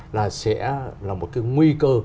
là sẽ là một cái nguy cơ